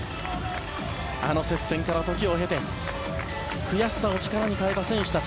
あの接線から時を経て悔しさを力に変えた選手たち。